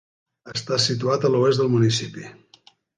Està situat a l'oest del municipi.